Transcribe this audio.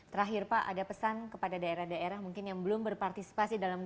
terakhir pak ada pesan kepada daerah daerah mungkin yang belum berpartisipasi dalam